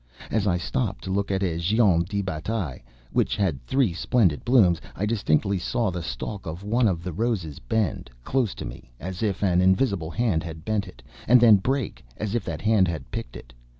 As I stopped to look at a Géant de Bataille, which had three splendid blooms, I distinctly saw the stalk of one of the roses bend, close to me, as if an invisible hand had bent it, and then break, as if that hand had picked it!